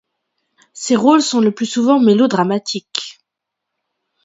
Ses rôles sont le plus souvent mélodramatiques.